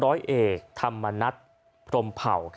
ร้อยเอกธรรมนัฐพรมเผ่า